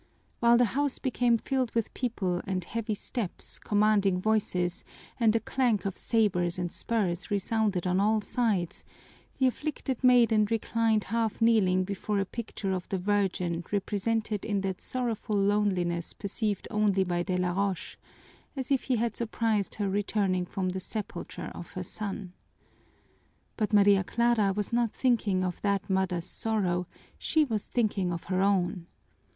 While the house became filled with people and heavy steps, commanding voices, and the clank of sabers and spurs resounded on all sides, the afflicted maiden reclined half kneeling before a picture of the Virgin represented in that sorrowful loneliness perceived only by Delaroche, as if he had surprised her returning from the sepulcher of her Son. But Maria Clara was not thinking of that mother's sorrow, she was thinking of her own.